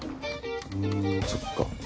うんそっか。